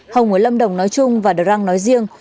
hồng ở lâm đồng nói chung và đà răng nói riêng